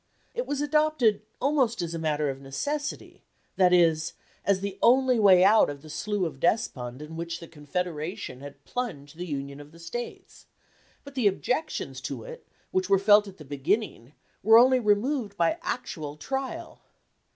It was adopted almost as a matter of necessity, that is, as the only way out of the Slough of Despond in which the Confederation had plunged the union of the States; but the objections to it which were felt at the beginning were only removed by actual trial.